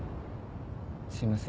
すいません。